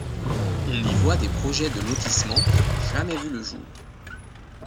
On y voit des projets de lotissement qui n'ont jamais vu le jour.